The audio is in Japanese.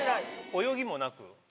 泳ぎもなく？